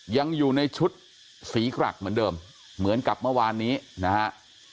ยังอยู่ในชุดสีกรักเหมือนเดิมเหมือนกับเมื่อวานนี้นะฮะ